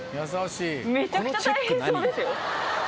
めちゃくちゃ大変そうですよ。